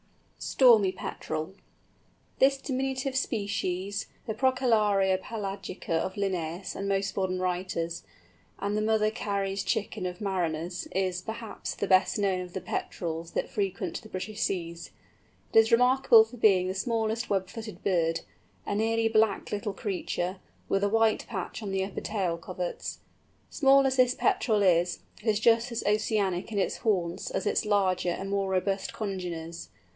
STORMY PETREL. This diminutive species, the Procellaria pelagica of Linnæus and most modern writers, and the "Mother Carey's Chicken" of mariners, is, perhaps, the best known of the Petrels that frequent the British seas. It is remarkable for being the smallest web footed bird—a nearly black little creature, with a white patch on the upper tail coverts. Small as this Petrel is, it is just as oceanic in its haunts as its larger and more robust congeners.